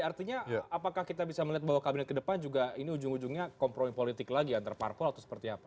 artinya apakah kita bisa melihat bahwa kabinet ke depan juga ini ujung ujungnya kompromi politik lagi antar parpol atau seperti apa